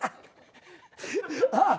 ああ。